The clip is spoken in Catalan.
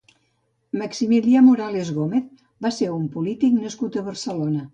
Maximilià Morales Gómez va ser un polític nascut a Barcelona.